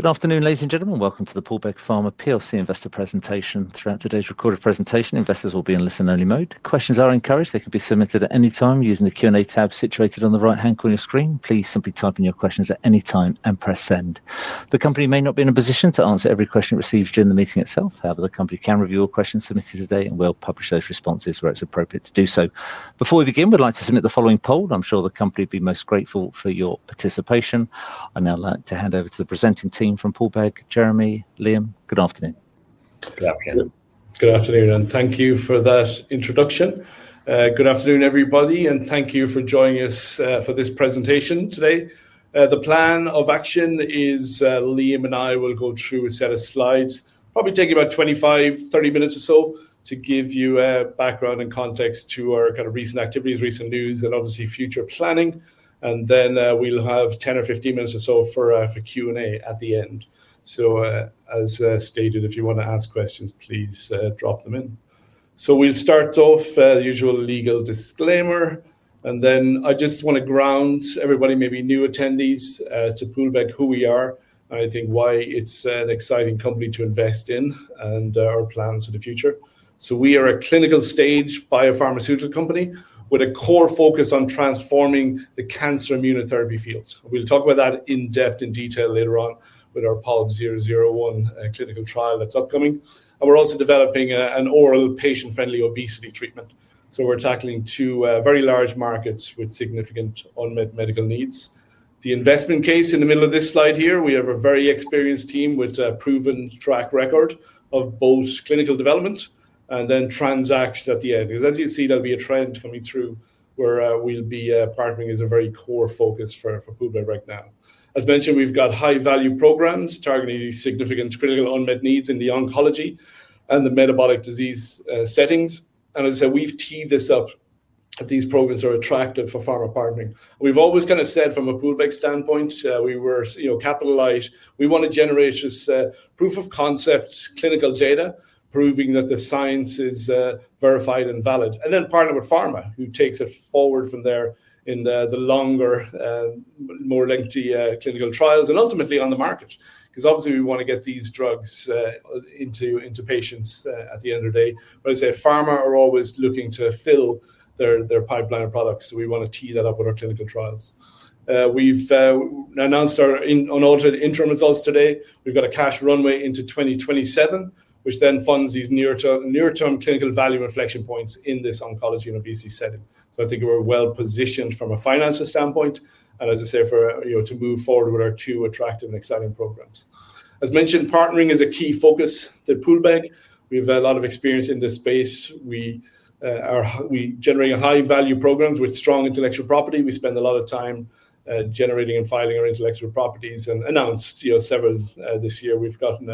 Good afternoon, ladies and gentlemen. Welcome to the Poolbeg Pharma PLC investor presentation. Throughout today's recorded presentation, investors will be in listen-only mode. Questions are encouraged, they can be submitted at any time using the Q&A tab situated on the right-hand corner of the screen. Please simply type in your questions at any time and press send. The company may not be in a position to answer every question it receives during the meeting itself. However, the company can review your questions submitted today and will publish those responses where it's appropriate to do so. Before we begin, we'd like to submit the following poll. I'm sure the company would be most grateful for your participation. I'd now like to hand over to the presenting team from Poolbeg, Jeremy, Liam. Good afternoon. Good afternoon, and thank you for that introduction. Good afternoon, everybody, and thank you for joining us for this presentation today. The plan of action is Liam and I will go through a set of slides, probably taking about 25-30 minutes or so to give you background and context to our kind of recent activities, recent news, and obviously future planning. We'll have 10 or 15 minutes or so for Q&A at the end. As stated, if you want to ask questions, please drop them in. We'll start off with the usual legal disclaimer, and then I just want to ground everybody, maybe new attendees, to Poolbeg, who we are, and I think why it's an exciting company to invest in and our plans for the future. We are a clinical-stage biopharmaceutical company with a core focus on transforming the cancer immunotherapy field. We'll talk about that in depth and detail later on with our POLB 001 clinical trial that's upcoming. We're also developing an oral patient-friendly obesity treatment. We're tackling two very large markets with significant unmet medical needs. The investment case in the middle of this slide here, we have a very experienced team with a proven track record of both clinical development and then transactions at the end. As you see, there'll be a trend coming through where we'll be partnering as a very core focus for Poolbeg right now. As mentioned, we've got high-value programs targeting these significant critical unmet needs in the oncology and the metabolic disease settings. As I said, we've teed this up that these programs are attractive for pharma partnering. We've always kind of said from a Poolbeg standpoint, we were capitalized. We want to generate this proof-of-concept clinical data proving that the science is verified and valid, and then partner with pharma who takes it forward from there in the longer and more lengthy clinical trials and ultimately on the market. Obviously, we want to get these drugs into patients at the end of the day. I'd say pharma are always looking to fill their pipeline of products. We want to tee that up with our clinical trials. We've announced our unaltered interim results today. We've got a cash runway into 2027, which then funds these near-term clinical value reflection points in this oncology and obesity setting. I think we're well positioned from a financial standpoint, and as I said, to move forward with our two attractive and exciting programs. As mentioned, partnering is a key focus to Poolbeg. We've had a lot of experience in this space. We generate high-value programs with strong intellectual property. We spend a lot of time generating and filing our intellectual properties, and announced several this year. We've gotten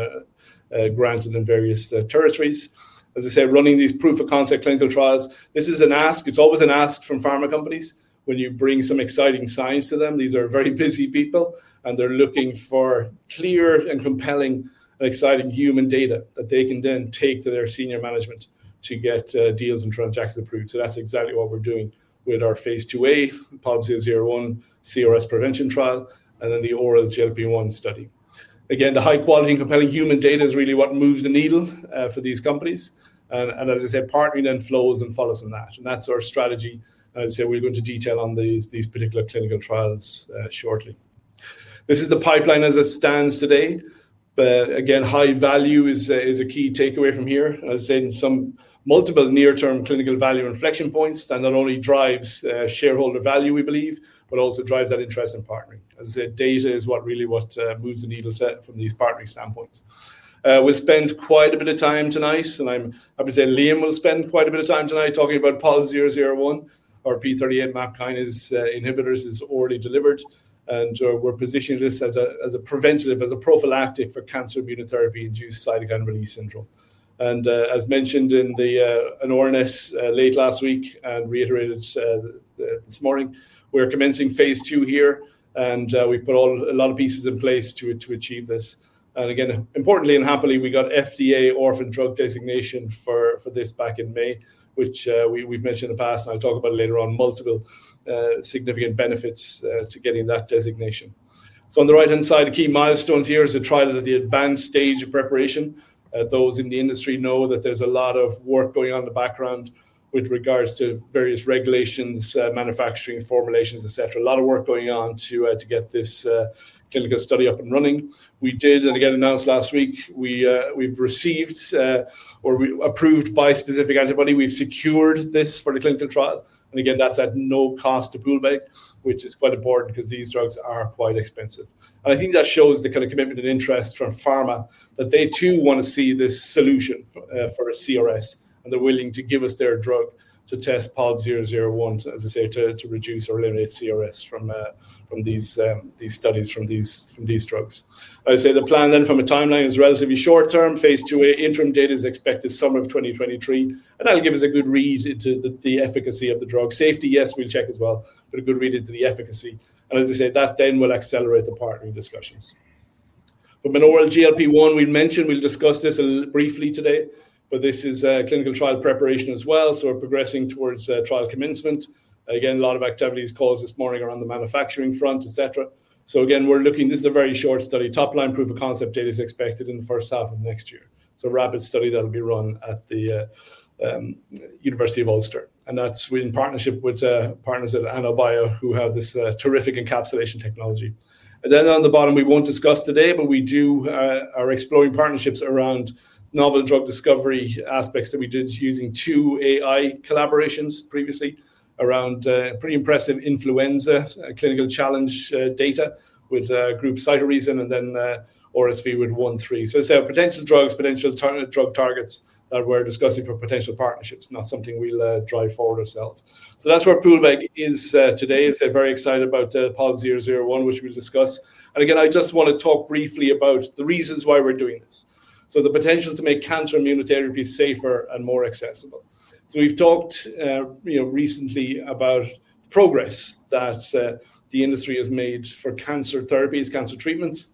grants in various territories. As I said, running these proof-of-concept clinical trials, this is an ask. It's always an ask from pharma companies when you bring some exciting science to them. These are very busy people, and they're looking for clear and compelling and exciting human data that they can then take to their senior management to get deals and transactions approved. That's exactly what we're doing with our phase II A POLB 001 CRS prevention trial and then the oral GLP-1 study. Again, the high-quality and compelling human data is really what moves the needle for these companies. As I said, partnering then flows and follows on that. That's our strategy. I'd say we're going to detail on these particular clinical trials shortly. This is the pipeline as it stands today. Again, high value is a key takeaway from here. As I said, in some multiple near-term clinical value reflection points, that not only drives shareholder value, we believe, but also drives that interest in partnering. As I said, data is really what moves the needle from these partnering standpoints. We'll spend quite a bit of time tonight, and I'm happy to say Liam will spend quite a bit of time tonight talking about POLB 001. Our p38 MAP kinase inhibitors are already delivered, and we're positioning this as a preventative, as a prophylactic for cancer immunotherapy-induced cytokine release syndrome. As mentioned in the announcement late last week and reiterated this morning, we're commencing phase II here, and we put a lot of pieces in place to achieve this. Importantly and happily, we got FDA orphan drug designation for this back in May, which we've mentioned in the past, and I'll talk about it later on, multiple significant benefits to getting that designation. On the right-hand side, the key milestones here are the trials at the advanced stage of preparation. Those in the industry know that there's a lot of work going on in the background with regards to various regulations, manufacturing formulations, etc. A lot of work going on to get this clinical study up and running. We did, and again, announced last week, we've received or we approved bispecific antibody. We've secured this for the clinical trial. That's at no cost to Poolbeg, which is quite important because these drugs are quite expensive. I think that shows the kind of commitment and interest from pharma that they too want to see this solution for CRS, and they're willing to give us their drug to test POLB 001, as I say, to reduce or eliminate CRS from these studies, from these drugs. The plan then from a timeline is relatively short-term. Phase II A interim data is expected summer of 2023, and that'll give us a good read into the efficacy of the drug. Safety, yes, we'll check as well, but a good read into the efficacy. That then will accelerate the partnering discussions. We've been on oral GLP-1. We mentioned we'll discuss this briefly today, but this is clinical trial preparation as well. We're progressing towards trial commencement. A lot of activities caused this morning around the manufacturing front, etc. We're looking, this is a very short study. Top line proof-of-concept data is expected in the first half of next year. Rapid study that'll be run at the University of Ulster. That's in partnership with partners at Innobio who have this terrific encapsulation technology. On the bottom, we won't discuss today, but we are exploring partnerships around novel drug discovery aspects that we did using two AI collaborations previously around pretty impressive influenza clinical challenge data with a group, Cytoreason, and then RSV with OneTree. It's a potential drug, potential drug targets that we're discussing for potential partnerships, not something we'll drive forward ourselves. That's where Poolbeg is today. They're very excited about POLB 001, which we'll discuss. I just want to talk briefly about the reasons why we're doing this. The potential to make cancer immunotherapy safer and more accessible. We've talked recently about progress that the industry has made for cancer therapies, cancer treatments.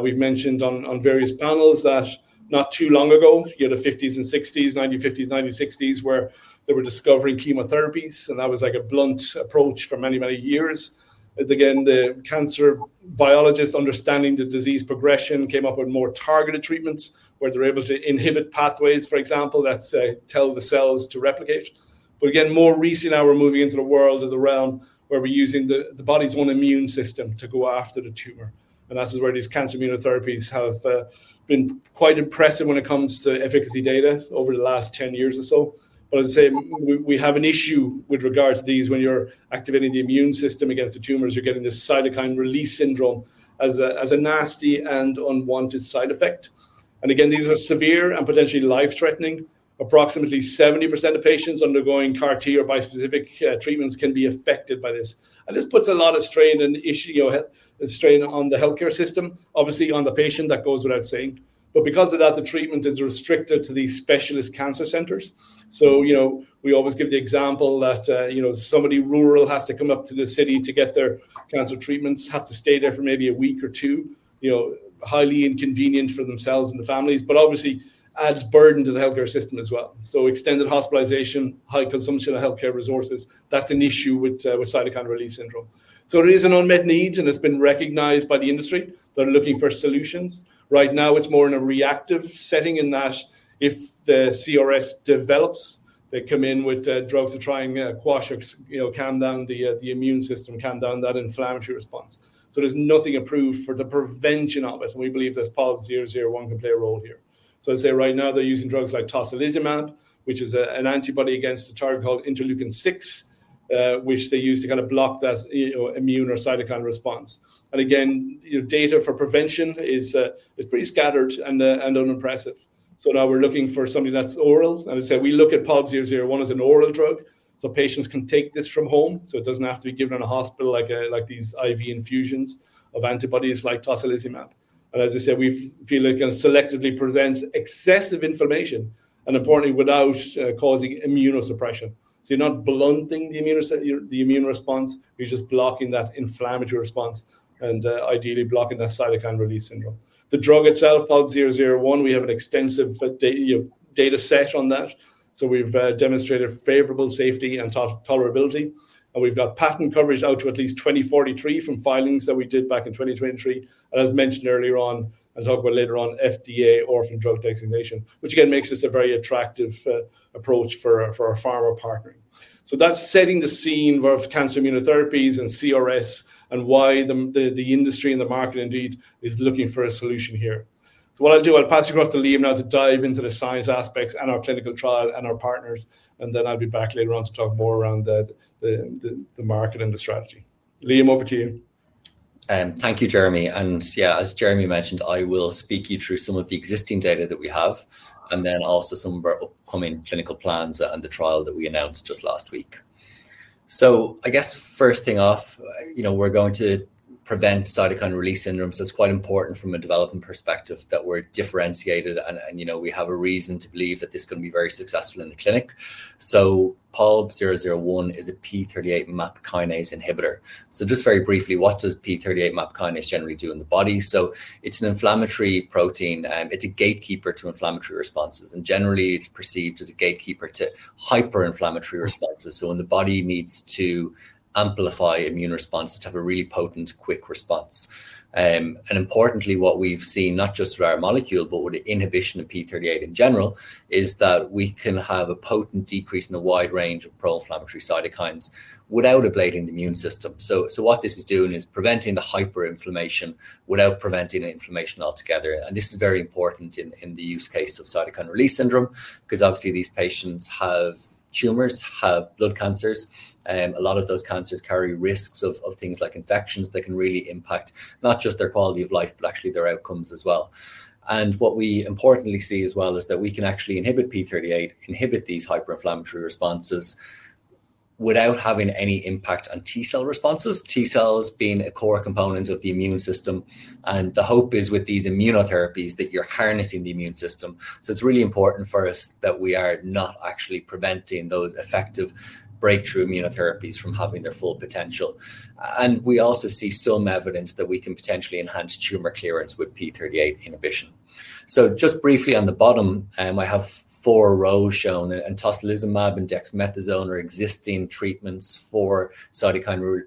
We've mentioned on various panels that not too long ago, you had the 50s and 60s, 1950s, 1960s, where they were discovering chemotherapies, and that was like a blunt approach for many, many years. The cancer biologists understanding the disease progression came up with more targeted treatments where they're able to inhibit pathways, for example, that tell the cells to replicate. Again, more recently, now we're moving into the realm where we're using the body's own immune system to go after the tumor. That's where these cancer immunotherapies have been quite impressive when it comes to efficacy data over the last 10 years or so. As I say, we have an issue with regard to these when you're activating the immune system against the tumors. You're getting this cytokine release syndrome as a nasty and unwanted side effect. These are severe and potentially life-threatening. Approximately 70% of patients undergoing CAR-T or bispecific treatments can be affected by this. This puts a lot of strain on the healthcare system. Obviously, on the patient, that goes without saying. Because of that, the treatment is restricted to these specialist cancer centers. We always give the example that somebody rural has to come up to the city to get their cancer treatments, have to stay there for maybe a week or two, highly inconvenient for themselves and the families, but obviously adds burden to the healthcare system as well. Extended hospitalization, high consumption of healthcare resources, that's an issue with cytokine release syndrome. There is an unmet need, and it's been recognized by the industry. They're looking for solutions. Right now, it's more in a reactive setting in that if the CRS develops, they come in with drugs that are trying to quash it, calm down the immune system, calm down that inflammatory response. There's nothing approved for the prevention of it. We believe this POLB 001 can play a role here. I'd say right now they're using drugs like tocilizumab, which is an antibody against the target called interleukin-6, which they use to kind of block that immune or cytokine response. Your data for prevention is pretty scattered and unimpressive. Now we're looking for something that's oral. As I said, we look at POLB 001 as an oral drug. Patients can take this from home. It doesn't have to be given in a hospital like these IV infusions of antibodies like tocilizumab. As I said, we feel it can selectively prevent excessive inflammation and, importantly, without causing immunosuppression. You're not blunting the immune response. You're just blocking that inflammatory response and ideally blocking that cytokine release syndrome. The drug itself, POLB 001, we have an extensive data set on that. We've demonstrated favorable safety and tolerability. We've got patent coverage out to at least 2043 from filings that we did back in 2023. As mentioned earlier on, I'll talk about later on FDA orphan drug designation, which again makes this a very attractive approach for our pharma partner. That's setting the scene of cancer immunotherapies and CRS and why the industry and the market indeed is looking for a solution here. I'll pass you across to Liam now to dive into the science aspects and our clinical trial and our partners. I'll be back later on to talk more around the market and the strategy. Liam, over to you. Thank you, Jeremy. As Jeremy mentioned, I will speak you through some of the existing data that we have and then also some of our upcoming clinical plans and the trial that we announced just last week. I guess first thing off, you know, we're going to prevent cytokine release syndrome. It's quite important from a development perspective that we're differentiated and, you know, we have a reason to believe that this is going to be very successful in the clinic. POLB 001 is a p38 MAP kinase inhibitor. Just very briefly, what does p38 MAP kinase generally do in the body? It's an inflammatory protein. It's a gatekeeper to inflammatory responses. Generally, it's perceived as a gatekeeper to hyperinflammatory responses, when the body needs to amplify immune responses to have a really potent, quick response. Importantly, what we've seen, not just through our molecule, but with the inhibition of p38 in general, is that we can have a potent decrease in the wide range of pro-inflammatory cytokines without ablating the immune system. What this is doing is preventing the hyperinflammation without preventing the inflammation altogether. This is very important in the use case of cytokine release syndrome because obviously these patients have tumors, have blood cancers, and a lot of those cancers carry risks of things like infections that can really impact not just their quality of life, but actually their outcomes as well. What we importantly see as well is that we can actually inhibit P38, inhibit these hyperinflammatory responses without having any impact on T cell responses, T cells being a core component of the immune system. The hope is with these immunotherapies that you're harnessing the immune system. It's really important for us that we are not actually preventing those effective breakthrough immunotherapies from having their full potential. We also see some evidence that we can potentially enhance tumor clearance with p38 inhibition. Just briefly on the bottom, I have four rows shown, and tocilizumab and dexamethasone are existing treatments for cytokine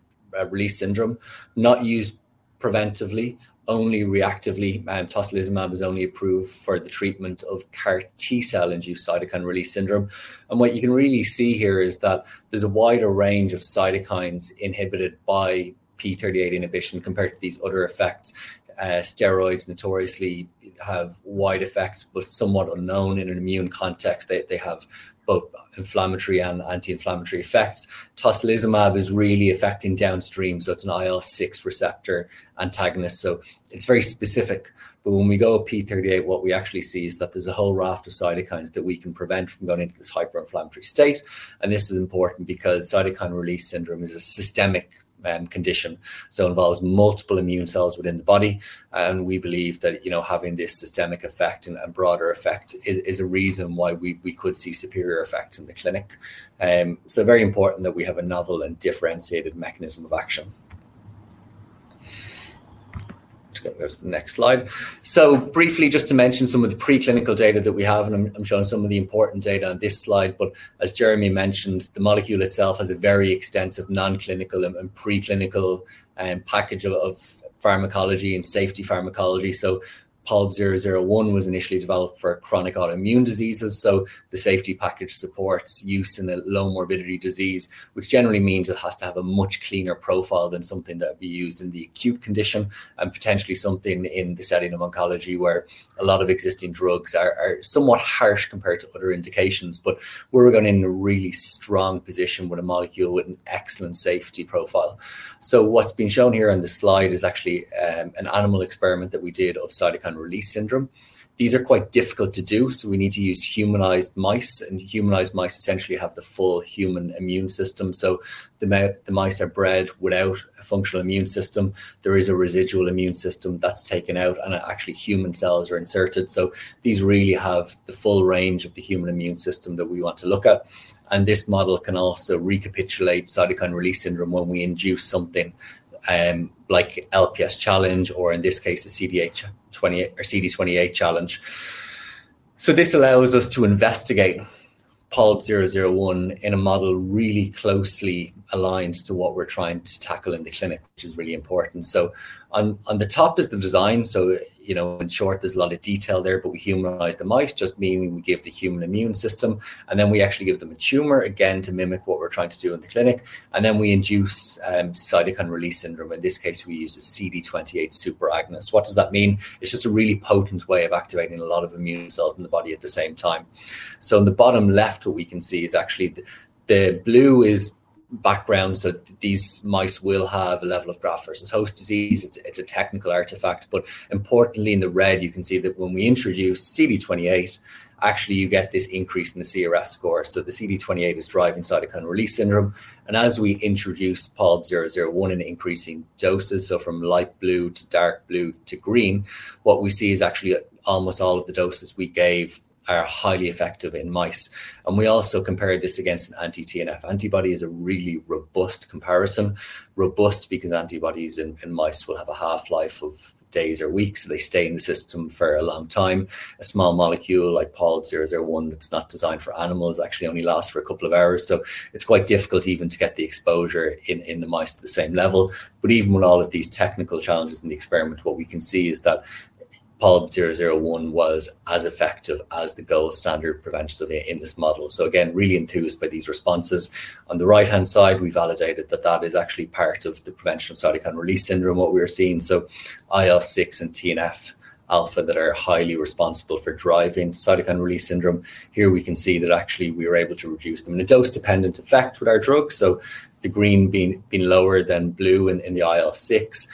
release syndrome, not used preventively, only reactively. Tocilizumab is only approved for the treatment of CAR-T cell-induced cytokine release syndrome. What you can really see here is that there's a wider range of cytokines inhibited by p38 inhibition compared to these other effects. Steroids notoriously have wide effects, but somewhat unknown in an immune context. They have both inflammatory and anti-inflammatory effects. Tocilizumab is really affecting downstream. It's an IL-6 receptor antagonist. It's very specific. When we go to p38, what we actually see is that there's a whole raft of cytokines that we can prevent from going into this hyperinflammatory state. This is important because cytokine release syndrome is a systemic condition. It involves multiple immune cells within the body. We believe that, you know, having this systemic effect and a broader effect is a reason why we could see superior effects in the clinic. It's very important that we have a novel and differentiated mechanism of action. Let's go to the next slide. Briefly, just to mention some of the preclinical data that we have, and I'm showing some of the important data on this slide. As Jeremy mentioned, the molecule itself has a very extensive non-clinical and preclinical package of pharmacology and safety pharmacology. POLB 001 was initially developed for chronic autoimmune diseases. The safety package supports use in a low morbidity disease, which generally means it has to have a much cleaner profile than something that would be used in the acute condition and potentially something in the setting of oncology where a lot of existing drugs are somewhat harsh compared to other indications. We're going in a really strong position with a molecule with an excellent safety profile. What's been shown here on this slide is actually an animal experiment that we did of cytokine release syndrome. These are quite difficult to do. We need to use humanized mice, and humanized mice essentially have the full human immune system. The mice are bred without a functional immune system. There is a residual immune system that's taken out, and actually human cells are inserted. These really have the full range of the human immune system that we want to look at. This model can also recapitulate cytokine release syndrome when we induce something like LPS challenge or in this case a CD28 challenge. This allows us to investigate POLB 001 in a model really closely aligned to what we're trying to tackle in the clinic, which is really important. On the top is the design. In short, there's a lot of detail there, but we humanize the mice, just meaning we give the human immune system, and then we actually give them a tumor again to mimic what we're trying to do in the clinic. We induce cytokine release syndrome. In this case, we use a CD28 super agonist. What does that mean? It's just a really potent way of activating a lot of immune cells in the body at the same time. On the bottom left, what we can see is actually the blue is background. These mice will have a level of graft versus host disease. It's a technical artifact. Importantly, in the red, you can see that when we introduce CD28, you get this increase in the CRS score. The CD28 is driving cytokine release syndrome. As we introduce POLB 001 in increasing doses, from light blue to dark blue to green, what we see is almost all of the doses we gave are highly effective in mice. We also compared this against an anti-TNF antibody as a really robust comparison. Robust because antibodies in mice will have a half-life of days or weeks. They stay in the system for a long time. A small molecule like POLB 001 that's not designed for animals actually only lasts for a couple of hours. It's quite difficult even to get the exposure in the mice to the same level. Even with all of these technical challenges in the experiment, what we can see is that POLB 001 was as effective as the gold standard prevention in this model. Really enthused by these responses. On the right-hand side, we validated that that is actually part of the prevention of cytokine release syndrome, what we were seeing. IL-6 and TNF alpha are highly responsible for driving cytokine release syndrome. Here we can see that we were able to reduce them in a dose-dependent effect with our drugs. The green being lower than blue in the IL-6,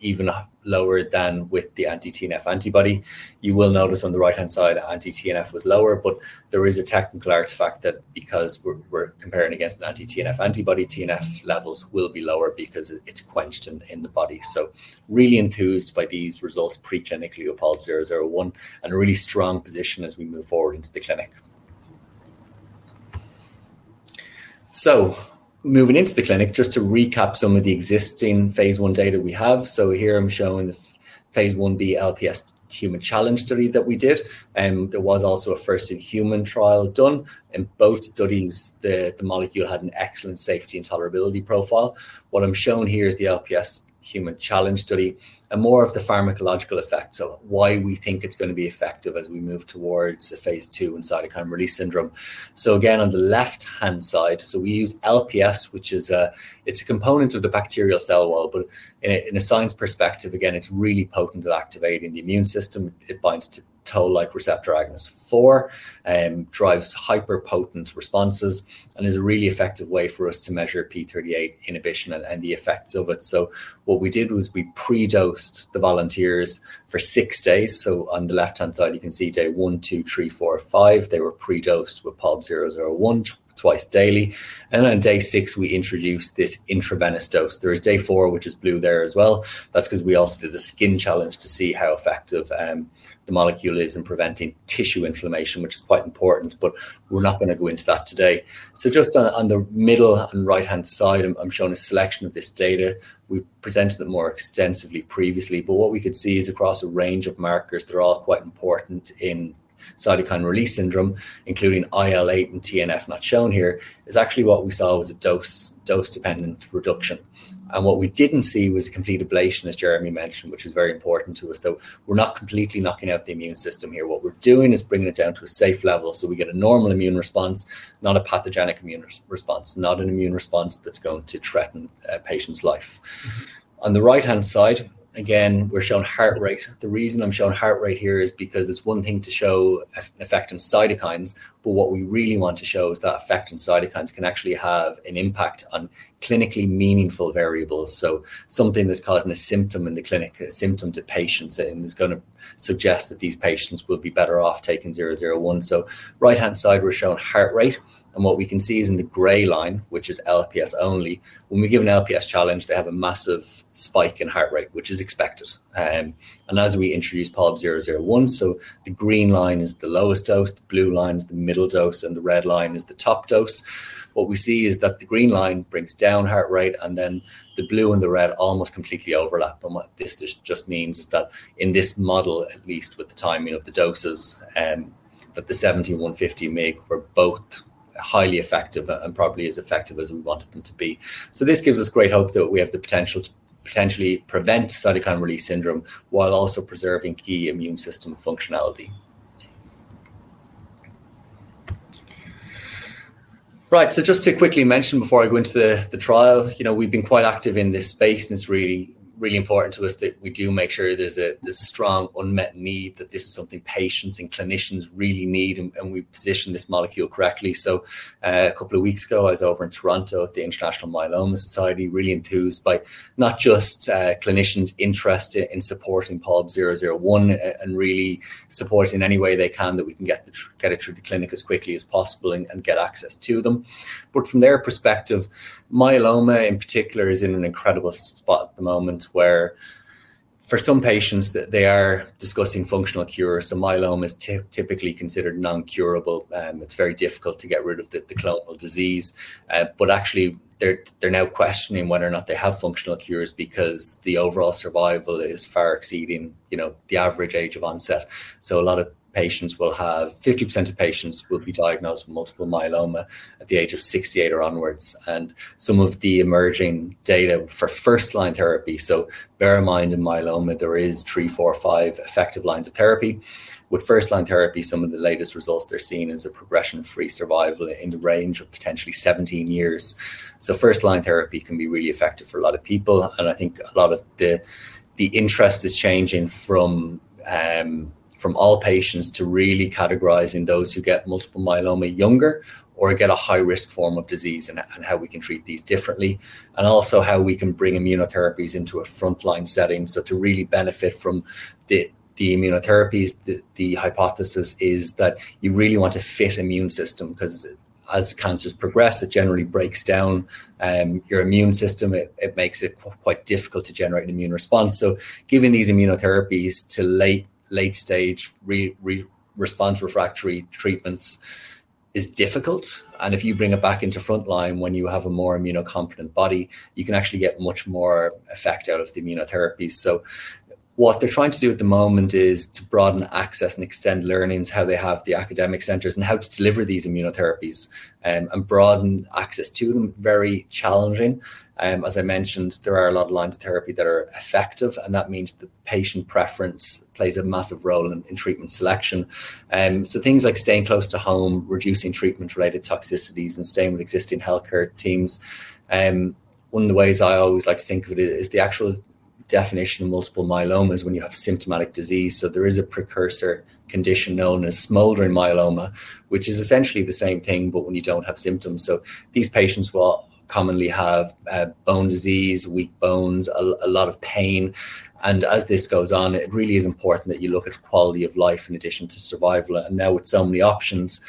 even lower than with the anti-TNF antibody. You will notice on the right-hand side, anti-TNF was lower, but there is a technical artifact that because we're comparing against the anti-TNF antibody, TNF levels will be lower because it's quenched in the body. Really enthused by these results pre-clinically with POLB 001 and a really strong position as we move forward into the clinic. Moving into the clinic, just to recap some of the existing phase I data we have. Here I'm showing the phase 1B LPS human challenge study that we did. There was also a first-in-human trial done. In both studies, the molecule had an excellent safety and tolerability profile. What I'm showing here is the LPS human challenge study and more of the pharmacological effects. Why we think it's going to be effective as we move towards the phase II A in cytokine release syndrome. Again, on the left-hand side, we use LPS, which is a component of the bacterial cell wall. From a science perspective, it's really potent at activating the immune system. It binds to toll-like receptor agonist 4 and drives hyperpotent responses and is a really effective way for us to measure p38 inhibition and the effects of it. What we did was we pre-dosed the volunteers for six days. On the left-hand side, you can see day one, two, three, four, five. They were pre-dosed with POLB 001 twice daily. On day six, we introduced this intravenous dose. There is day four, which is blue there as well. That's because we also did a skin challenge to see how effective the molecule is in preventing tissue inflammation, which is quite important. We're not going to go into that today. In the middle and right-hand side, I'm showing a selection of this data. We presented it more extensively previously, but what we could see is across a range of markers that are quite important in cytokine release syndrome, including IL-8 and TNF not shown here, what we saw was a dose-dependent reduction. What we didn't see was complete ablation, as Jeremy mentioned, which was very important to us. We're not completely knocking out the immune system here. What we're doing is bringing it down to a safe level so we get a normal immune response, not a pathogenic immune response, not an immune response that's going to threaten a patient's life. On the right-hand side, we're showing heart rate. The reason I'm showing heart rate here is because it's one thing to show an effect in cytokines, but what we really want to show is that effect in cytokines can actually have an impact on clinically meaningful variables. Something that's causing a symptom in the clinic, a symptom to patients, and it's going to suggest that these patients will be better off taking 001. Right-hand side, we're showing heart rate. What we can see is in the gray line, which is LPS only, when we give an LPS challenge, they have a massive spike in heart rate, which is expected. As we introduce POLB 001, the green line is the lowest dose, the blue line is the middle dose, and the red line is the top dose. What we see is that the green line brings down heart rate, and the blue and the red almost completely overlap. What this means is that in this model, at least with the timing of the doses, the 70 mg and 150 mg for both are highly effective and probably as effective as we wanted them to be. This gives us great hope that we have the potential to potentially prevent cytokine release syndrome while also preserving key immune system functionality. Just to quickly mention before I go into the trial, we've been quite active in this space, and it's really important to us that we do make sure there's a strong unmet need, that this is something patients and clinicians really need, and we position this molecule correctly. A couple of weeks ago, I was over in Toronto at the International Myeloma Society, really enthused by not just clinicians interested in supporting POLB 001 and really supporting in any way they can so that we can get it through the clinic as quickly as possible and get access to them. From their perspective, myeloma in particular is in an incredible spot at the moment where for some patients they are discussing functional cures. Myeloma is typically considered non-curable, and it's very difficult to get rid of the clinical disease. Actually, they're now questioning whether or not they have functional cures because the overall survival is far exceeding the average age of onset. A lot of patients will have 50% of patients diagnosed with multiple myeloma at the age of 68 or onwards. Some of the emerging data for first-line therapy, so bear in mind in myeloma, there are three, four, or five effective lines of therapy. With first-line therapy, some of the latest results they're seeing is a progression-free survival in the range of potentially 17 years. First-line therapy can be really effective for a lot of people. I think a lot of the interest is changing from all patients to really categorizing those who get multiple myeloma younger or get a high-risk form of disease and how we can treat these differently, and also how we can bring immunotherapies into a front-line setting. To really benefit from the immunotherapies, the hypothesis is that you really want a fit immune system because as cancers progress, it generally breaks down your immune system. It makes it quite difficult to generate an immune response. Giving these immunotherapies to late-stage response refractory treatments is difficult. If you bring it back into front-line when you have a more immunocompetent body, you can actually get much more effect out of the immunotherapies. What they're trying to do at the moment is to broaden access and extend learnings, how they have the academic centers and how to deliver these immunotherapies and broaden access to them. Very challenging. As I mentioned, there are a lot of lines of therapy that are effective, and that means that patient preference plays a massive role in treatment selection. Things like staying close to home, reducing treatment-related toxicities, and staying with existing healthcare teams. One of the ways I always like to think of it is the actual definition of multiple myeloma is when you have symptomatic disease. There is a precursor condition known as smoldering myeloma, which is essentially the same thing, but when you don't have symptoms. These patients will commonly have bone disease, weak bones, a lot of pain. As this goes on, it really is important that you look at quality of life in addition to survival. Now with so many options,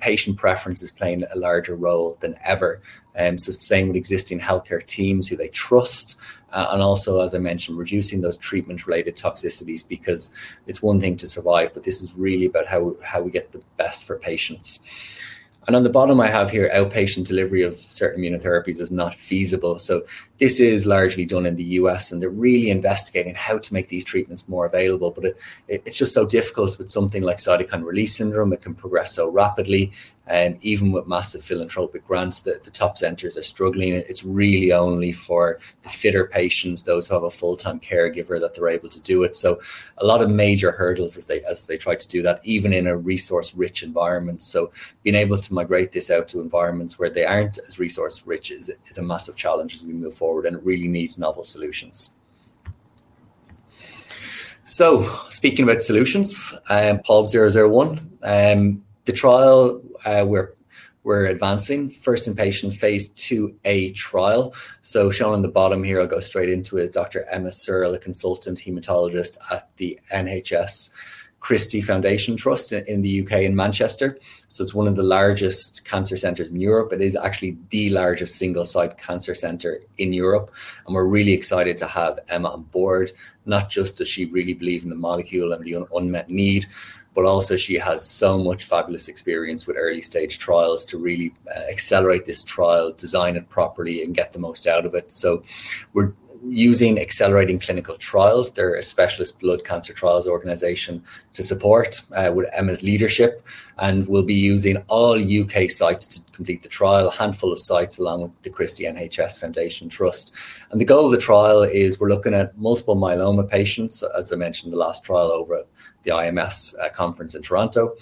patient preference is playing a larger role than ever. Staying with existing healthcare teams who they trust, and also, as I mentioned, reducing those treatment-related toxicities because it's one thing to survive, but this is really about how we get the best for patients. On the bottom, I have here outpatient delivery of certain immunotherapies is not feasible. This is largely done in the U.S., and they're really investigating how to make these treatments more available. It's just so difficult with something like cytokine release syndrome. It can progress so rapidly, and even with massive philanthropic grants, the top centers are struggling. It's really only for the fitter patients, those who have a full-time caregiver that they're able to do it. A lot of major hurdles as they try to do that, even in a resource-rich environment. Being able to migrate this out to environments where they aren't as resource-rich is a massive challenge as we move forward, and it really needs novel solutions. Speaking about solutions, POLB 001 and the trial we're advancing, first-in-patient phase II A trial. Shown on the bottom here, I'll go straight into it. Dr. Emma Searle, a Consultant Hematologist at the Christie NHS Foundation Trust in the U.K. in Manchester. It's one of the largest cancer centers in Europe. It is actually the largest single-site cancer center in Europe. We're really excited to have Emma on board. Not just does she really believe in the molecule and the unmet need, but also she has so much fabulous experience with early-stage trials to really accelerate this trial, design it properly, and get the most out of it. We're using Accelerating Clinical Trials. They're a specialist blood cancer trials organization to support with Emma's leadership. We'll be using all U.K. sites to complete the trial, a handful of sites along with the Christie NHS Foundation Trust. The goal of the trial is we're looking at multiple myeloma patients, as I mentioned, the last trial over at the IMS conference in Toronto.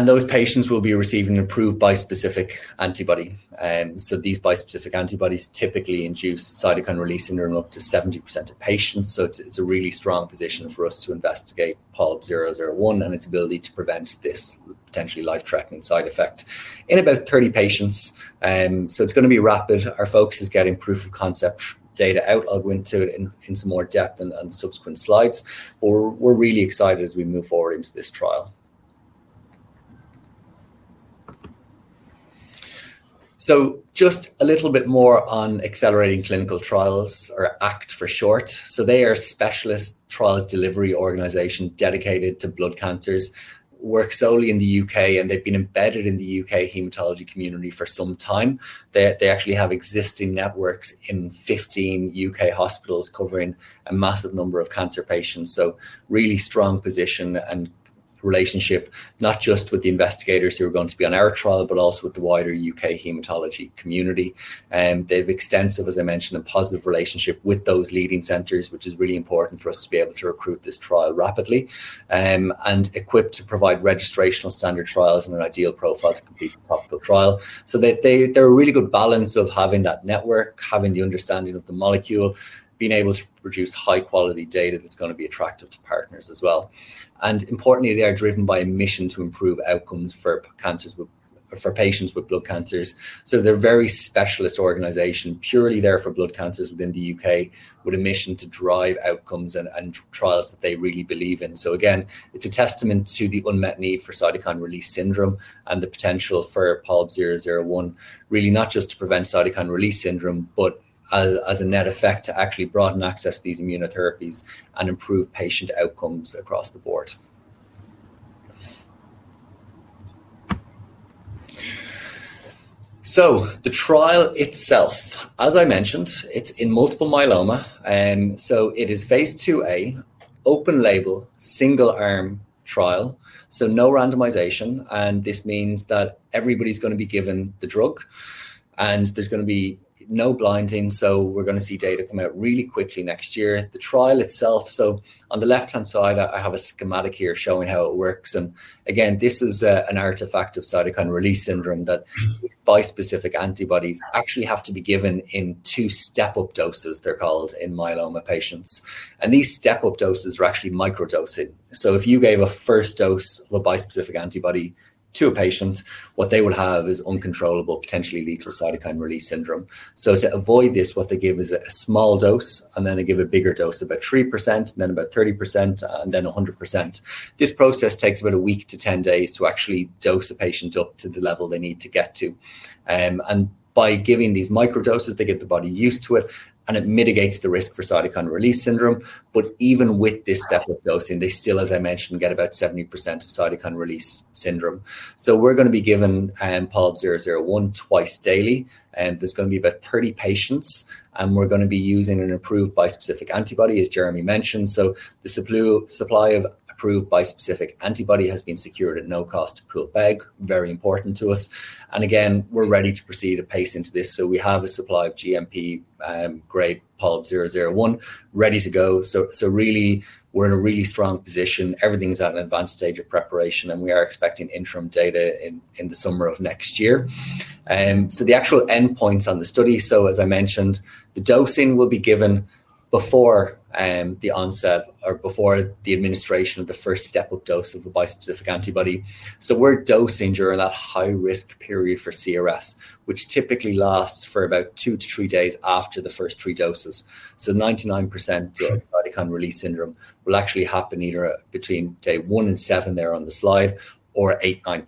Those patients will be receiving approved bispecific antibody. These bispecific antibodies typically induce cytokine release syndrome in up to 70% of patients. It's a really strong position for us to investigate POLB 001 and its ability to prevent this potentially life-threatening side effect in about 30 patients. It's going to be rapid. Our focus is getting proof-of-concept data out. I'll go into it in some more depth on the subsequent slides. We're really excited as we move forward into this trial. Just a little bit more on Accelerating Clinical Trials, or ACT for short. They are a specialist trials delivery organization dedicated to blood cancers. Work solely in the U.K., and they've been embedded in the UK hematology community for some time. They actually have existing networks in 15 UK hospitals covering a massive number of cancer patients. Really strong position and relationship, not just with the investigators who are going to be on our trial, but also with the wider UK hematology community. They have extensive, as I mentioned, a positive relationship with those leading centers, which is really important for us to be able to recruit this trial rapidly. Equipped to provide registrational standard trials and an ideal profile to complete the topical trial. They're a really good balance of having that network, having the understanding of the molecule, being able to produce high-quality data that's going to be attractive to partners as well. Importantly, they are driven by a mission to improve outcomes for patients with blood cancers. They're a very specialist organization, purely there for blood cancers within the U.K., with a mission to drive outcomes and trials that they really believe in. It's a testament to the unmet need for cytokine release syndrome and the potential for POLB 001, really not just to prevent cytokine release syndrome, but as a net effect to actually broaden access to these immunotherapies and improve patient outcomes across the board. The trial itself, as I mentioned, is in multiple myeloma. It is a phase II A, open label, single arm trial, so no randomization. This means that everybody's going to be given the drug, and there's going to be no blinding. We're going to see data come out really quickly next year. The trial itself, on the left-hand side, I have a schematic here showing how it works. This is an artifact of cytokine release syndrome that bispecific antibodies actually have to be given in two step-up doses, they're called, in myeloma patients. These step-up doses are actually microdosing. If you gave a first dose of a bispecific antibody to a patient, what they will have is uncontrollable, potentially lethal cytokine release syndrome. To avoid this, what they give is a small dose, and then they give a bigger dose of about 3%, then about 30%, and then 100%. This process takes about a week to 10 days to actually dose a patient up to the level they need to get to. By giving these microdoses, they get the body used to it, and it mitigates the risk for cytokine release syndrome. Even with this step-up dosing, they still, as I mentioned, get about 70% of cytokine release syndrome. We're going to be giving POLB 001 twice daily. There's going to be about 30 patients, and we're going to be using an approved bispecific antibody, as Jeremy mentioned. The supply of approved bispecific antibody has been secured at no cost to Poolbeg. Very important to us. We're ready to proceed and pace into this. We have a supply of GMP-grade POLB 001 ready to go. We're in a really strong position. Everything's at an advanced stage of preparation, and we are expecting interim data in the summer of next year. The actual endpoints on the study, as I mentioned, the dosing will be given before the onset or before the administration of the first step-up dose of the bispecific antibody. We're dosing during that high-risk period for CRS, which typically lasts for about two to three days after the first three doses. 99% of cytokine release syndrome will actually happen either between day one and seven there on the slide or eight, nine,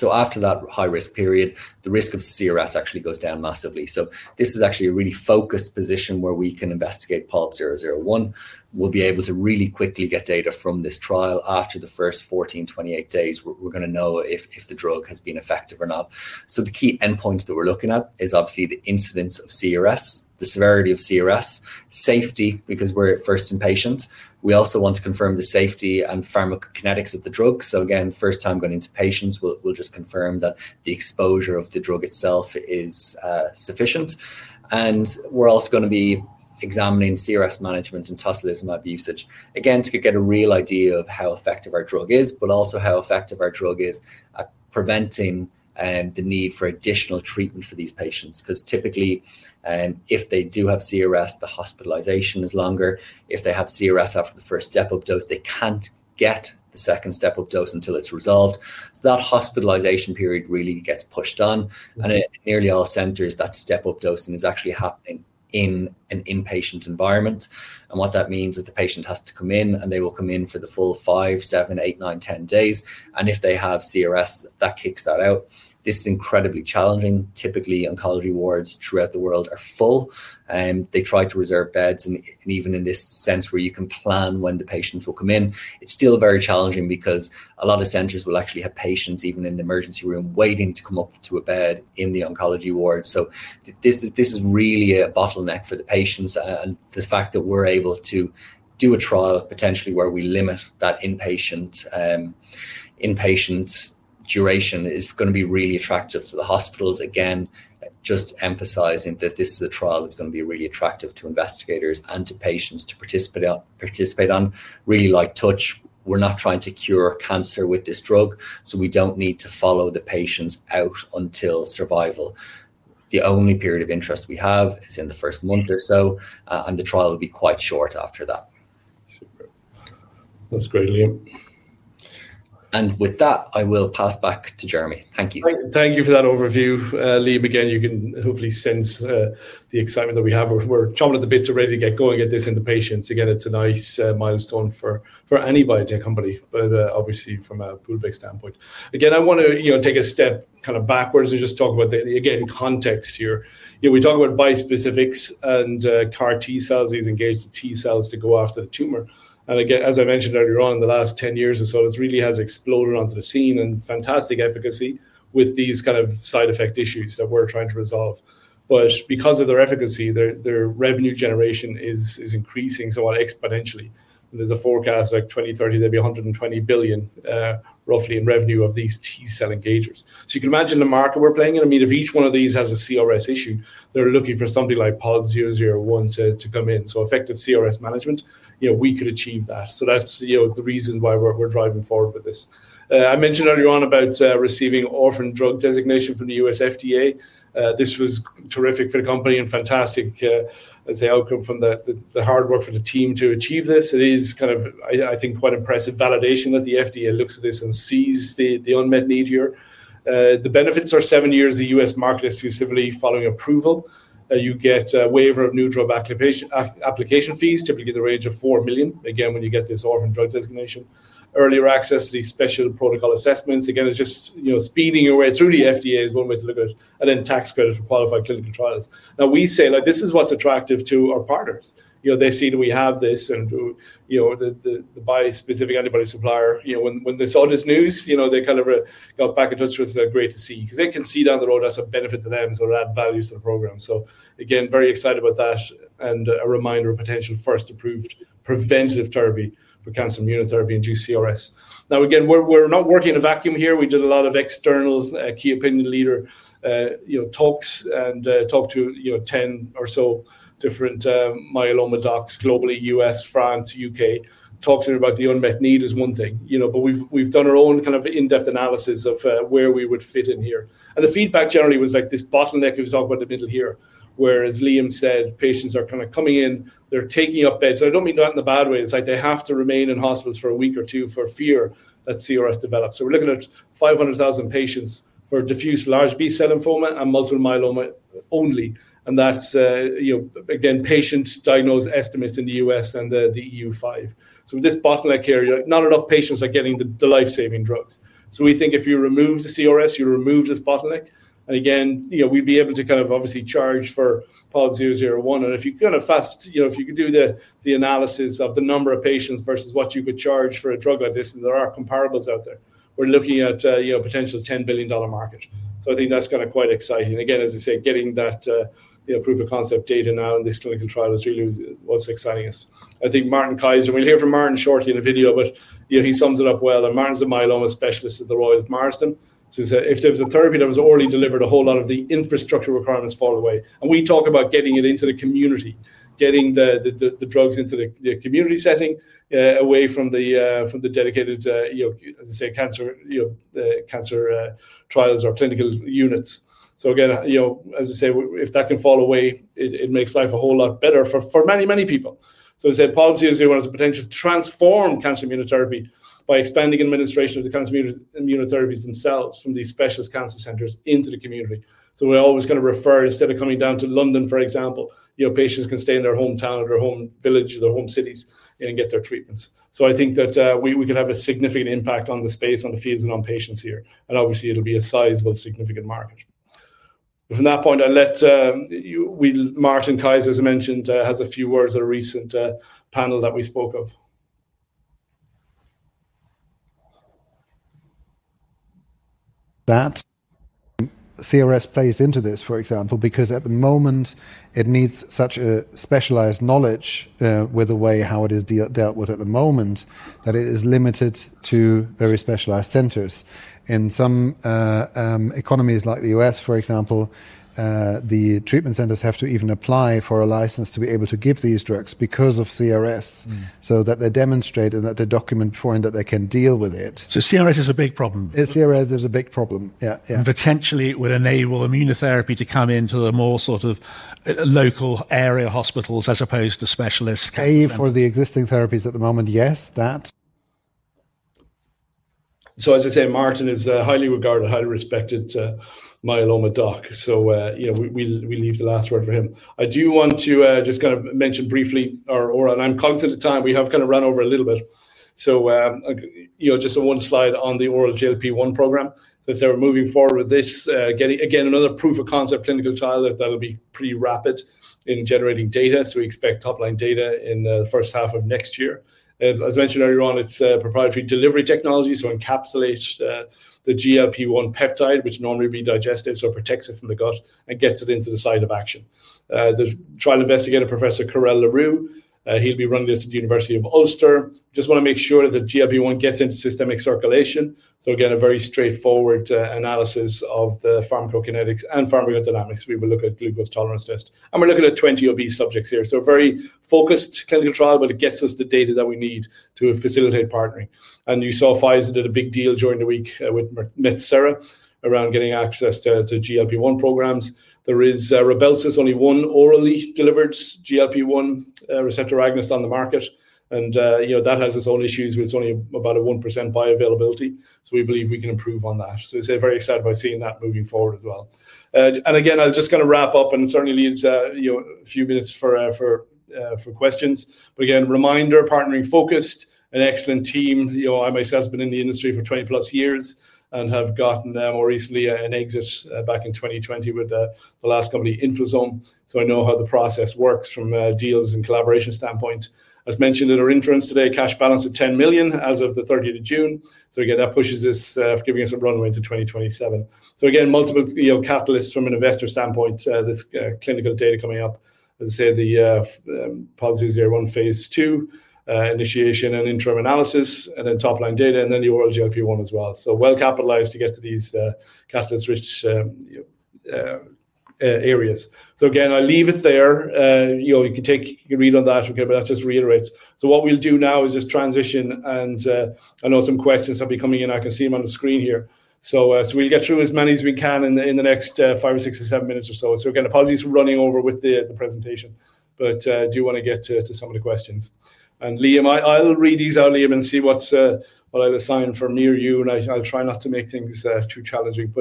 ten. After that high-risk period, the risk of CRS actually goes down massively. This is actually a really focused position where we can investigate POLB 001. We'll be able to really quickly get data from this trial after the first 14-28 days. We're going to know if the drug has been effective or not. The key endpoints that we're looking at are obviously the incidence of CRS, the severity of CRS, safety, because we're first in patients. We also want to confirm the safety and pharmacokinetics of the drug. Again, first time going into patients, we'll just confirm that the exposure of the drug itself is sufficient. We're also going to be examining CRS management and tocilizumab usage, again, to get a real idea of how effective our drug is, but also how effective our drug is at preventing the need for additional treatment for these patients. Typically, if they do have CRS, the hospitalization is longer. If they have CRS after the first step-up dose, they can't get the second step-up dose until it's resolved. That hospitalization period really gets pushed on. In nearly all centers, that step-up dosing is actually happening in an inpatient environment. What that means is that the patient has to come in, and they will come in for the full five, seven, eight, nine, ten days. If they have CRS, that kicks that out. This is incredibly challenging. Typically, oncology wards throughout the world are full. They try to reserve beds. Even in this sense where you can plan when the patients will come in, it's still very challenging because a lot of centers will actually have patients even in the emergency room waiting to come up to a bed in the oncology ward. This is really a bottleneck for the patients. The fact that we're able to do a trial potentially where we limit that inpatient duration is going to be really attractive to the hospitals. Again, just emphasizing that this is a trial that's going to be really attractive to investigators and to patients to participate in. Really light touch. We're not trying to cure cancer with this drug. We don't need to follow the patients out until survival. The only period of interest we have is in the first month or so, and the trial will be quite short after that. That's great, Liam. With that, I will pass back to Jeremy. Thank you. Thank you for that overview, Liam. Again, you can hopefully sense the excitement that we have. We're troubled a bit to ready to get going at this in the patients. Again, it's a nice milestone for anybody in your company, but obviously from a Poolbeg standpoint. I want to take a step kind of backwards and just talk about the, again, context here. You know, we talk about bispecifics and CAR-T cells, these engaged T cells to go after the tumor. As I mentioned earlier on, in the last 10 years or so, it really has exploded onto the scene and fantastic efficacy with these kind of side effect issues that we're trying to resolve. Because of their efficacy, their revenue generation is increasing somewhat exponentially. There's a forecast that by 2030, there'll be $120 billion roughly in revenue of these T cell engagers. You can imagine the market we're playing in. I mean, if each one of these has a CRS issue, they're looking for something like POLB 001 to come in. Effective CRS management, you know, we could achieve that. That's, you know, the reason why we're driving forward with this. I mentioned earlier on about receiving orphan drug designation from the U.S. FDA. This was terrific for the company and fantastic, let's say, outcome from the hard work for the team to achieve this. It is kind of, I think, quite impressive validation that the FDA looks at this and sees the unmet need here. The benefits are seven years of U.S. market exclusivity following approval. You get a waiver of new drug application fees, typically in the range of $4 million. When you get this orphan drug designation, earlier access to these special protocol assessments. It's just, you know, speeding your way through the FDA is one way to look at it. Then tax credits for qualified clinical trials. Now we say, like, this is what's attractive to our partners. They see that we have this and, you know, the bispecific antibody supplier, you know, when they saw this news, you know, they kind of got back in touch with us. They're great to see because they can see down the road as a benefit to them or add value to the program. Very excited about that and a reminder of potential first approved preventative therapy for cancer immunotherapy-induced CRS. Now, again, we're not working in a vacuum here. We did a lot of external key opinion leader talks and talked to, you know, 10 or so different myeloma docs globally, U.S., France, U.K.. Talked to her about the unmet need is one thing, but we've done our own kind of in-depth analysis of where we would fit in here. The feedback generally was like this bottleneck we've talked about in the middle here, where, as Liam said, patients are kind of coming in, they're taking up beds. I don't mean that in a bad way. It's like they have to remain in hospitals for a week or two for fear that CRS develops. We're looking at 500,000 patients for diffuse large B-cell lymphoma and multiple myeloma only. That's, again, patient diagnosis estimates in the U.S. and the EU five. With this bottleneck area, not enough patients are getting the life-saving drugs. We think if you remove the CRS, you'll remove this bottleneck. We'd be able to kind of obviously charge for POLB 001. If you could do the analysis of the number of patients versus what you could charge for a drug like this, and there are comparables out there, we're looking at potential $10 billion market. I think that's kind of quite exciting. As I say, getting that proof-of-concept data now in this clinical trial is really what's exciting us. I think Martin Kaiser, we'll hear from Martin shortly in a video, but he sums it up well. Martin's a myeloma specialist at the Royal Marsden Institute. If there was a therapy that was already delivered, a whole lot of the infrastructure requirements fall away. We talk about getting it into the community, getting the drugs into the community setting away from the dedicated cancer trials or clinical units. If that can fall away, it makes life a whole lot better for many, many people. I said POLB 001 has the potential to transform cancer immunotherapy by expanding administration of the cancer immunotherapies themselves from these specialist cancer centers into the community. We're always going to refer, instead of coming down to London, for example, patients can stay in their hometown or their home village or their home cities and get their treatments. I think that we could have a significant impact on the space, on the fields, and on patients here. Obviously, it'll be a sizable, significant market. From that point, I let you, we, Martin Kaiser, as I mentioned, has a few words on a recent panel that we spoke of. That CRS plays into this, for example, because at the moment, it needs such specialized knowledge with the way how it is dealt with at the moment that it is limited to very specialized centers. In some economies like the U.S., for example, the treatment centers have to even apply for a license to be able to give these drugs because of CRS, so that they demonstrate and that they document beforehand that they can deal with it. CRS is a big problem. CRS is a big problem. Yeah. Potentially, it would enable immunotherapy to come into the more sort of local area hospitals as opposed to specialists. For the existing therapies at the moment, yes, that. As I say, Martin is a highly regarded, highly respected myeloma doc. We leave the last word for him. I do want to just kind of mention briefly, and I'm conscious of time, we have kind of run over a little bit. Just on one slide on the oral GLP-1 program that they're moving forward with, getting again another proof-of-concept clinical trial that'll be pretty rapid in generating data. We expect top-line data in the first half of next year. As mentioned earlier on, it's a proprietary delivery technology to encapsulate the GLP-1 peptide, which normally would be digested, so it protects it from the gut and gets it into the site of action. The trial investigator, Professor Carel Le Roux, he'll be running this at the University of Ulster. Just want to make sure that the GLP-1 gets into systemic circulation. Again, a very straightforward analysis of the pharmacokinetics and pharmacodynamics. We will look at glucose tolerance tests. We're looking at 20 obese subjects here, so a very focused clinical trial, but it gets us the data that we need to facilitate partnering. You saw Pfizer did a big deal during the week with Metsera around getting access to GLP-1 programs. There is RYBELSUS, only one orally delivered GLP-1 receptor agonist on the market, and that has its own issues with only about a 1% bioavailability. We believe we can improve on that. Very excited about seeing that moving forward as well. I'll just kind of wrap up and certainly leave a few minutes for questions. Again, reminder, partnering focused, an excellent team. I myself have been in the industry for 20+ years and have gotten more recently an exit back in 2020 with the last company, InfoZone. I know how the process works from deals and collaboration standpoint. As mentioned in our interims today, cash balance of 10 million as of the 30th of June. That pushes us for giving us some runway to 2027. Multiple catalysts from an investor standpoint, this clinical data coming up. As I said, the POLB 001 here, one phase II initiation and interim analysis, and then top-line data, and then the oral GLP-1 as well. Well capitalized to get to these catalyst-rich areas. I'll leave it there. You can take a read on that. That just reiterates. What we'll do now is just transition. I know some questions have been coming in. I can see them on the screen here. We'll get through as many as we can in the next five, six, or seven minutes or so. Again, apologies for running over with the presentation, but I do want to get to some of the questions. Liam, I'll read these out, Liam, and see what I'll assign from here to you. I'll try not to make things too challenging.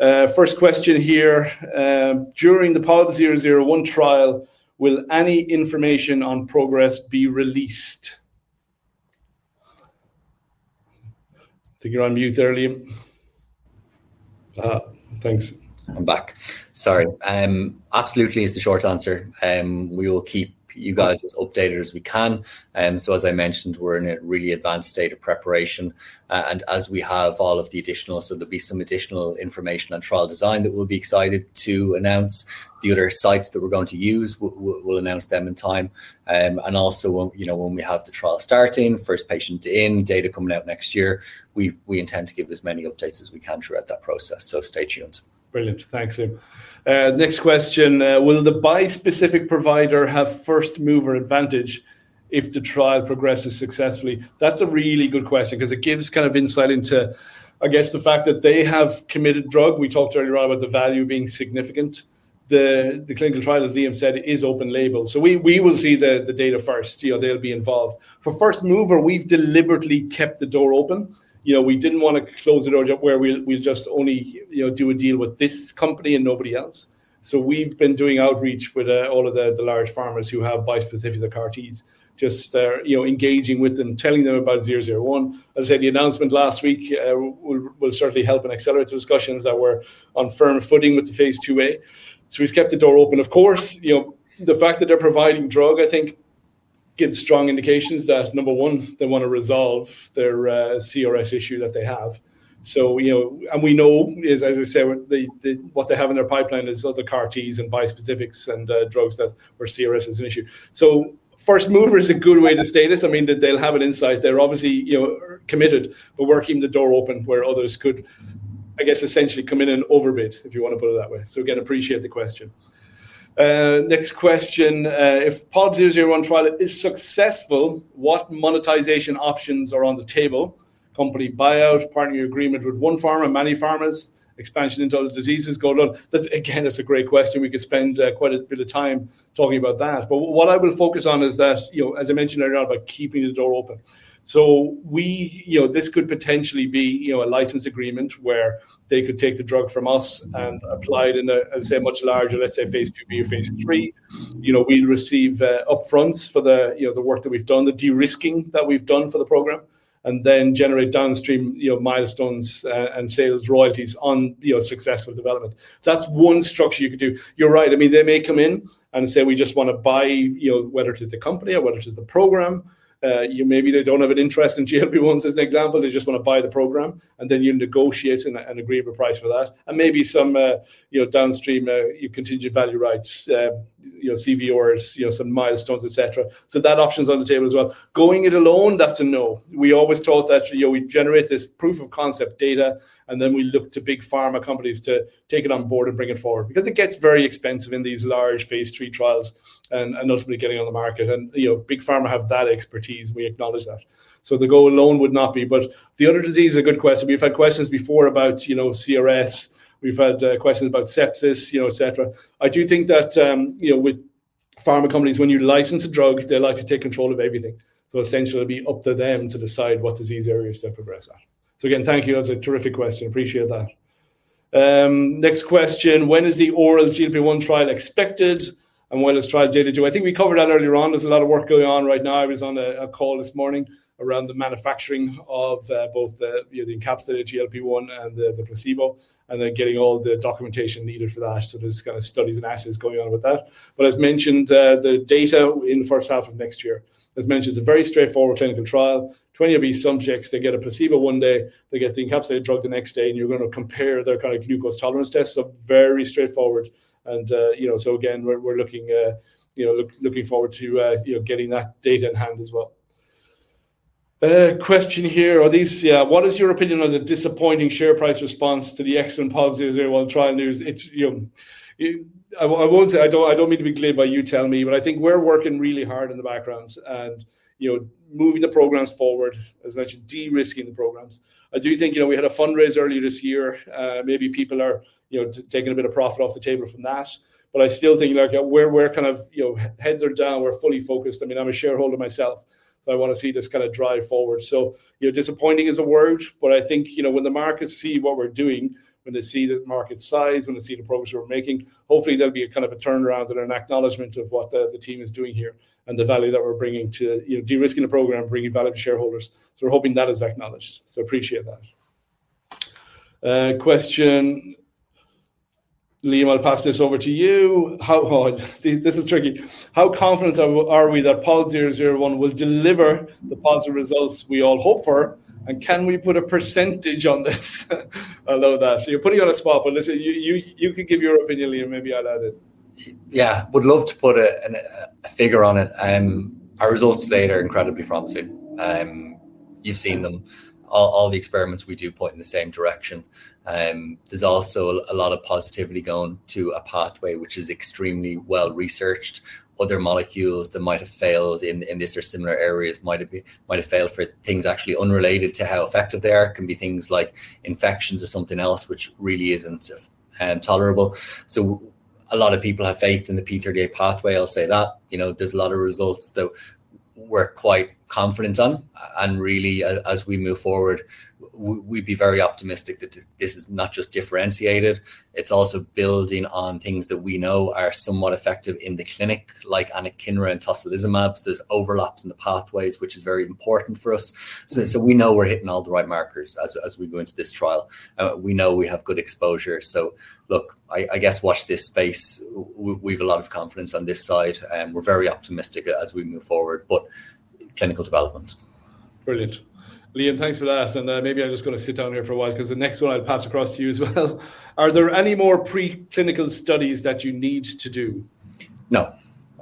First question here. During the POLB 001 trial, will any information on progress be released? I think you're on mute there, Liam. Thanks. I'm back. Sorry. Absolutely, it's the short answer. We will keep you guys as updated as we can. As I mentioned, we're in a really advanced state of preparation, and as we have all of the additional, there'll be some additional information on trial design that we'll be excited to announce. The other sites that we're going to use, we'll announce them in time. Also, when we have the trial starting, first patient in, data coming out next year, we intend to give as many updates as we can throughout that process. Stay tuned. Brilliant. Thanks, Liam. Next question. Will the bispecific provider have first mover advantage if the trial progresses successfully? That's a really good question because it gives kind of insight into, I guess, the fact that they have committed drug. We talked earlier on about the value being significant. The clinical trial, as Liam said, is open label. We will see the data first. They'll be involved. For first mover, we've deliberately kept the door open. We didn't want to close the door where we'll just only do a deal with this company and nobody else. We've been doing outreach with all of the large pharmas who have bispecifics or CAR-Ts, just engaging with them, telling them about 001. As I said, the announcement last week will certainly help and accelerate the discussions that we're on firm footing with the phase II A. We've kept the door open. Of course, the fact that they're providing drug, I think, gives strong indications that, number one, they want to resolve their CRS issue that they have. We know, as I said, what they have in their pipeline is other CAR-Ts and bispecifics and drugs where CRS is an issue. First mover is a good way to state this. I mean, they'll have an insight. They're obviously committed. We're working the door open where others could, I guess, essentially come in and overbid, if you want to put it that way. Again, appreciate the question. Next question. If POLB 001 trial is successful, what monetization options are on the table? Company buyout, partner agreement with one pharma, many pharmas, expansion into other diseases, going on. That's, again, that's a great question. We could spend quite a bit of time talking about that. What I will focus on is that, as I mentioned earlier on, about keeping the door open. This could potentially be a license agreement where they could take the drug from us and apply it in a, as I say, a much larger, let's say, phase II or phase III. We'd receive upfronts for the work that we've done, the de-risking that we've done for the program, and then generate downstream milestones and sales royalties on successful development. That's one structure you could do. You're right. They may come in and say, we just want to buy, whether it is the company or whether it is the program. You know, maybe they don't have an interest in GLP-1s as an example. They just want to buy the program, and then you negotiate an agreeable price for that, and maybe some downstream continued value rights, you know, CVRs, some milestones, et cetera. That option's on the table as well. Going it alone, that's a no. We always thought that we'd generate this proof-of-concept data, and then we look to big pharma companies to take it on board and bring it forward because it gets very expensive in these large phase III trials and ultimately getting on the market. Big pharma have that expertise. We acknowledge that. The goal alone would not be. The other disease, a good question. We've had questions before about CRS. We've had questions about sepsis, et cetera. I do think that with pharma companies, when you license a drug, they like to take control of everything. Essentially, it'll be up to them to decide what disease areas to progress at. Again, thank you. That's a terrific question. Appreciate that. Next question. When is the oral GLP-1 trial expected, and what does trial data do? I think we covered that earlier on. There's a lot of work going on right now. I was on a call this morning around the manufacturing of both the encapsulated GLP-1 and the placebo, and then getting all the documentation needed for that. There are studies and assays going on with that. As mentioned, the data in the first half of next year. As mentioned, it's a very straightforward clinical trial. 20 obese subjects, they get a placebo one day, they get the encapsulated drug the next day, and you're going to compare their glucose tolerance test. Very straightforward. We're looking forward to getting that data in hand as well. Question here. What is your opinion on the disappointing share price response to the excellent POLB 001 trial news? I won't say, I don't mean to be glib by telling you, but I think we're working really hard in the background and moving the programs forward, as I mentioned, de-risking the programs. I do think we had a fundraiser earlier this year. Maybe people are taking a bit of profit off the table from that. I still think we're kind of, you know, heads are down. We're fully focused. I mean, I'm a shareholder myself, but I want to see this kind of drive forward. Disappointing is a word, but I think when the markets see what we're doing, when they see the market size, when they see the progress we're making, hopefully there'll be a kind of a turnaround and an acknowledgement of what the team is doing here and the value that we're bringing to de-risking the program, bringing value to shareholders. We're hoping that is acknowledged. I appreciate that. Question. Liam, I'll pass this over to you. How hard? This is tricky. How confident are we that POLB 001 will deliver the POLB 001 results we all hope for? Can we put a % on this? I love that. You're putting it on a spot, but listen, you can give your opinion, Liam. Maybe I'll add it. Yeah, I would love to put a figure on it. Our results today are incredibly promising. You've seen them. All the experiments we do point in the same direction. There's also a lot of positivity going to a pathway which is extremely well researched. Other molecules that might have failed in this or similar areas might have failed for things actually unrelated to how effective they are. It can be things like infections or something else which really isn't tolerable. A lot of people have faith in the P38 pathway. I'll say that. There's a lot of results that we're quite confident on. Really, as we move forward, we'd be very optimistic that this is not just differentiated. It's also building on things that we know are somewhat effective in the clinic, like anakinra and tocilizumab. There are overlaps in the pathways, which is very important for us. We know we're hitting all the right markers as we go into this trial. We know we have good exposure. Look, I guess watch this space. We've a lot of confidence on this side. We're very optimistic as we move forward, but clinical development. Brilliant. Liam, thanks for that. Maybe I just got to sit down here for a while because the next one I'll pass across to you as well. Are there any more preclinical studies that you need to do? No,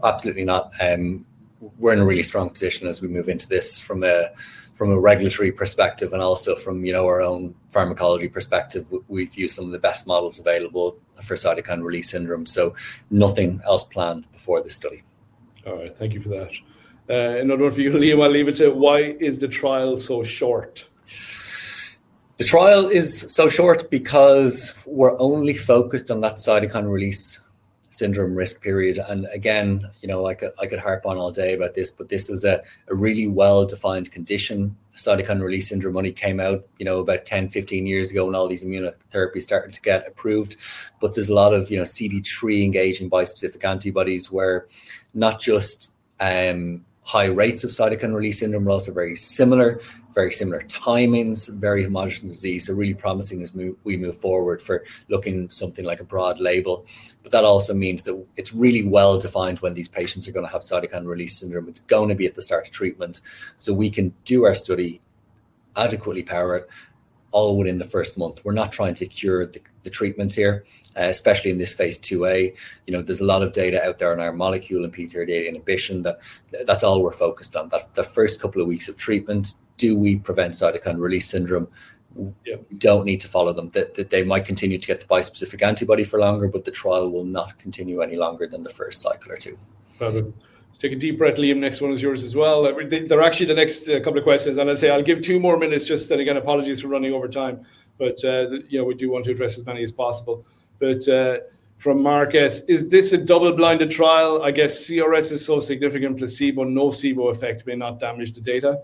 absolutely not. We're in a really strong position as we move into this from a regulatory perspective and also from, you know, our own pharmacology perspective. We've used some of the best models available for cytokine release syndrome. Nothing else planned before this study. All right. Thank you for that. In order for you, Liam, I'll leave it to you. Why is the trial so short? The trial is so short because we're only focused on that cytokine release syndrome risk period. This is a really well-defined condition. Cytokine release syndrome only came out, you know, about 10, 15 years ago when all these immunotherapies started to get approved. There's a lot of, you know, CD3 engaging bispecific antibodies where not just high rates of cytokine release syndrome, but also very similar, very similar timings, very homogenous disease. Really promising as we move forward for looking at something like a broad label. That also means that it's really well-defined when these patients are going to have cytokine release syndrome. It's going to be at the start of treatment. We can do our study adequately powered all within the first month. We're not trying to cure the treatments here, especially in this phase II A. There's a lot of data out there on our molecule and p38 inhibition that that's all we're focused on. The first couple of weeks of treatment, do we prevent cytokine release syndrome? We don't need to follow them. They might continue to get the bispecific antibody for longer, but the trial will not continue any longer than the first cycle or two. Got it. Let's take a deep breath, Liam. Next one is yours as well. They're actually the next couple of questions. I'll give two more minutes, just, and again, apologies for running over time. We do want to address as many as possible. From Marcus, is this a double-blinded trial? I guess CRS is so significant. Placebo, nocebo effect may not damage the data.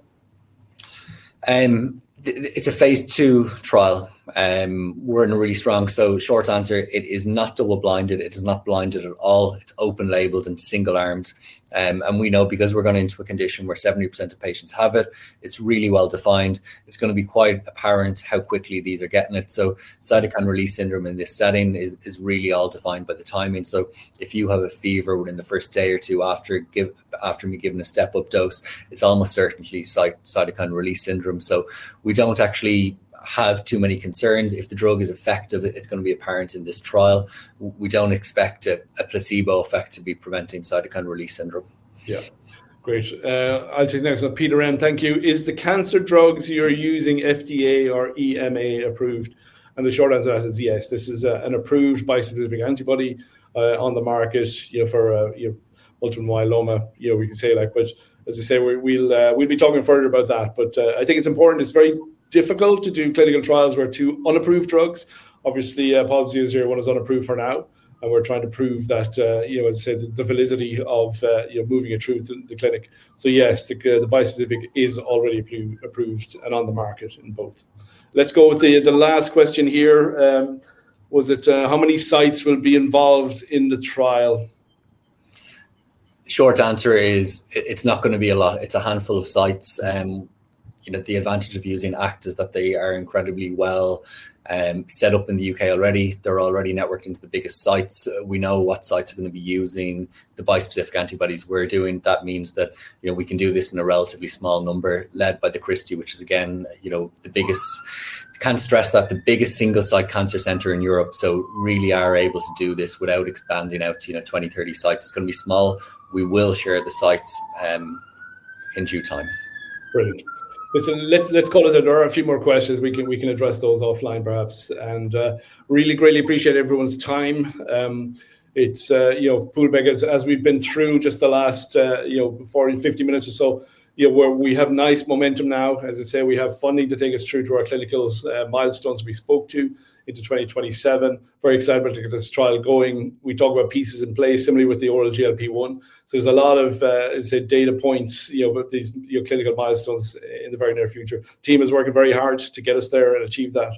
It's a phase II trial. We're in a really strong, so short answer, it is not double-blinded. It is not blinded at all. It's open labeled and single armed. We know because we're going into a condition where 70% of patients have it, it's really well-defined. It's going to be quite apparent how quickly these are getting it. Cytokine release syndrome in this setting is really all defined by the timing. If you have a fever within the first day or two after you're given a step-up dose, it's almost certainly cytokine release syndrome. We don't actually have too many concerns. If the drug is effective, it's going to be apparent in this trial. We don't expect a placebo effect to be preventing cytokine release syndrome. Yeah, great. I'll take the next one. Peter N, thank you. Is the cancer drugs you're using FDA or EMA approved? The short answer to that is yes. This is an approved bispecific antibody on the market for multiple myeloma. We'll be talking further about that. I think it's important. It's very difficult to do clinical trials where two unapproved drugs, obviously, POLB 001, is unapproved for now. We're trying to prove the validity of moving it through the clinic. Yes, the bispecific is already approved and on the market in both. Let's go with the last question here. Was it how many sites will be involved in the trial? Short answer is it's not going to be a lot. It's a handful of sites. The advantage of using ACT is that they are incredibly well set up in the U.K. already. They're already networking to the biggest sites. We know what sites are going to be using the bispecific antibody we're doing. That means that we can do this in a relatively small number led by the Christie, which is, again, the biggest, can't stress that, the biggest single site cancer center in Europe. We really are able to do this without expanding out to 20, 30 sites. It's going to be small. We will share the sites in due time. Brilliant. Listen, let's call it an hour. A few more questions. We can address those offline, perhaps. Really greatly appreciate everyone's time. It's, you know, Poolbeg, as we've been through just the last, you know, 40-50 minutes or so, we have nice momentum now. As I say, we have funding to take us through to our clinical milestones we spoke to into 2027. Very excited about to get this trial going. We talk about pieces in place, similarly with the oral GLP-1. There's a lot of, as I say, data points, you know, with these clinical milestones in the very near future. Team is working very hard to get us there and achieve that.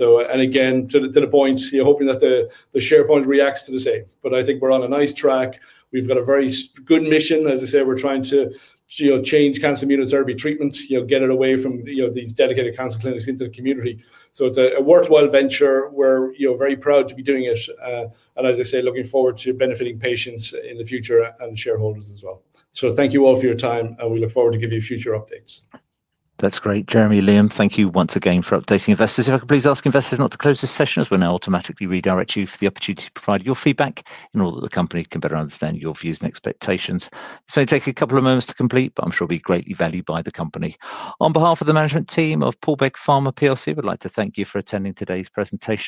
Again, to the point, you're hoping that the SharePoint reacts to this thing. I think we're on a nice track. We've got a very good mission. As I say, we're trying to, you know, change cancer immunotherapy treatment, get it away from these dedicated cancer clinics into the community. It's a worthwhile venture. We're, you know, very proud to be doing it. As I say, looking forward to benefiting patients in the future and shareholders as well. Thank you all for your time. We look forward to giving you future updates. That's great, Jeremy, Liam. Thank you once again for updating investors. If I could please ask investors not to close this session, we're going to automatically redirect you for the opportunity to provide your feedback in order that the company can better understand your views and expectations. Take a couple of moments to complete, but I'm sure it'll be greatly valued by the company. On behalf of the management team of Poolbeg Pharma PLC, we'd like to thank you for attending today's presentation.